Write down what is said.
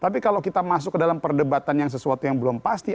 tapi kalau kita masuk ke dalam perdebatan yang sesuatu yang belum pasti